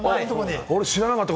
俺、知らなかった。